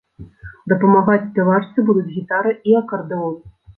Дапамагаць спявачцы будуць гітара і акардэон.